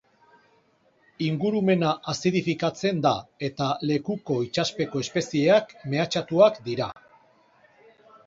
Ingurumena azidifikatzen da eta lekuko itsaspeko espezieak mehatxatuak dira.